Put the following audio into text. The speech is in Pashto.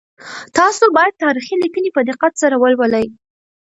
تاسو باید تاریخي لیکنې په دقت سره ولولئ.